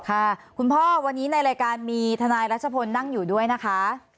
คุณพ่อวันนี้ในรายการมีทนายรัชพลนั่งอยู่ด้วยนะคะ